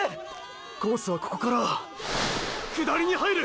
コースはここから下りに入る！！